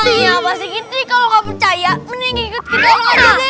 iya pasik ginti kalau nggak percaya mending ikut kita lagi nek